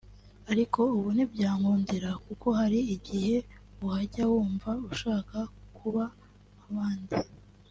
Ariko ubu ntibyankundira kuko hari igihe uhajya wumva ushaka kuba nk’abandi